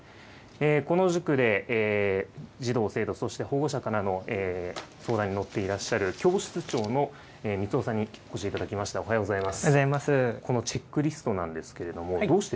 この塾で児童・生徒、そして保護者からの相談に乗っていらっしゃる、教室長の満尾さんにお聞きします。